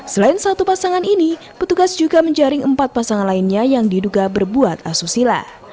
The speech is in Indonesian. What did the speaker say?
selain satu pasangan ini petugas juga menjaring empat pasangan lainnya yang diduga berbuat asusila